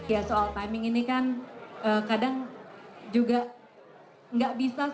ya soal timing ini kan kadang juga